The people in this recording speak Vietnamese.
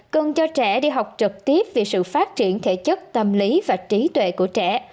cần cho trẻ đi học trực tiếp vì sự phát triển thể chất tâm lý và trí tuệ của trẻ